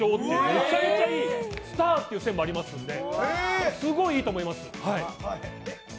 めちゃめちゃいいスターという線もありますので、すごいいいと思います。